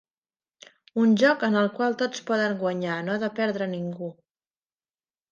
Un joc en el qual tots poden guanyar no ha de perdre ningú.